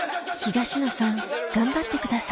東野さん頑張ってください